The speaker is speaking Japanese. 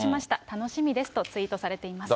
楽しみですとツイートされています。